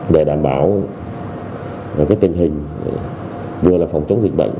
để đảm bảo tình hình vừa là phòng chống dịch bệnh